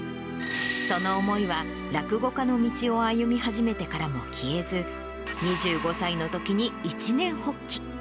その思いは、落語家の道を歩み始めてからも消えず、２５歳のときに一念発起。